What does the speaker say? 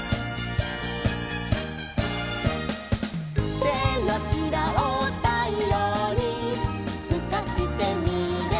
「てのひらをたいようにすかしてみれば」